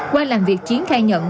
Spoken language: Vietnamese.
qua làm việc chiến khai nhận